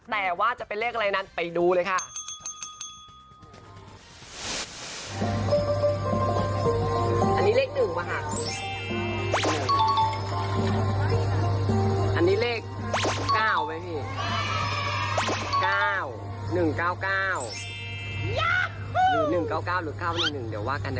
แต่ว่าจะเป็นเลขอะไรนั้นไปดูเลยค่ะ